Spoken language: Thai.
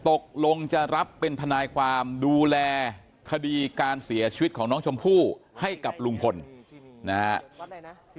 ตกลงจะรับเป็นทนายความดูแลคดีการเสียชีวิตของน้องชมพู่ให้กับลุงพลนะฮะ